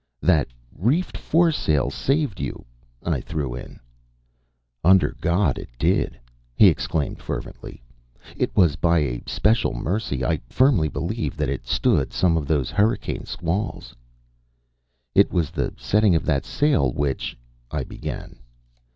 "That reefed foresail saved you," I threw in. "Under God it did," he exclaimed fervently. "It was by a special mercy, I firmly believe, that it stood some of those hurricane squalls." "It was the setting of that sail which " I began.